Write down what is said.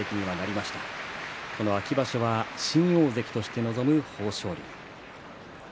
この秋場所は新大関として臨む豊昇龍。